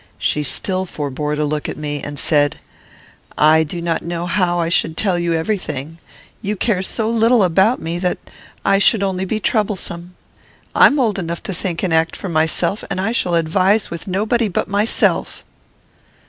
She still forbore to look at me, and said, "I do not know how I should tell you every thing. You care so little about me that I should only be troublesome. I am old enough to think and act for myself, and shall advise with nobody but myself."